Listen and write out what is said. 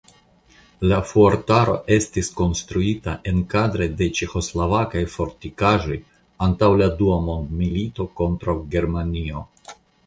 La fuortaro estis konstruita enkadre de ĉeĥoslovakaj fortikaĵoj antaŭ la dua mondmilito kontraŭ Germanio.